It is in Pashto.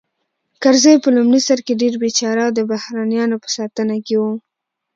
کرزی په لومړي سر کې ډېر بېچاره او د بهرنیانو په ساتنه کې و